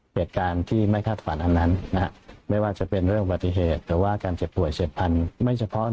เปรียบการที่ไม่พักสำนักว่าจะเป็นเรื่องปฏิเหตุแต่ว่าการเจ็บป่วยเจ็บพันธุ์ไม่เฉพาะ